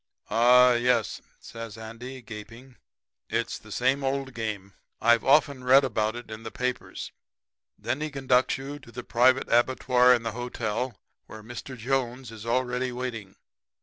"'Ah, yes,' says Andy, gaping, 'it's the same old game. I've often read about it in the papers. Then he conducts you to the private abattoir in the hotel, where Mr. Jones is already waiting.